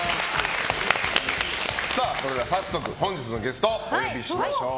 それでは早速本日のゲストお呼びしましょう。